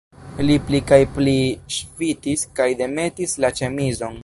Li pli kaj pli ŝvitis kaj demetis la ĉemizon.